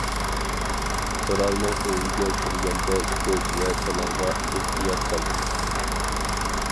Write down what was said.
بىراۋنىڭ ئۆيىگە كىرگىنىڭدە كۆز ۋە تىلىڭغا ئېھتىيات قىل.